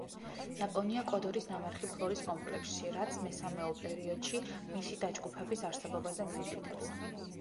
ნაპოვნია კოდორის ნამარხი ფლორის კომპლექსში, რაც მესამეულ პერიოდში მისი დაჯგუფების არსებობაზე მიუთითებს.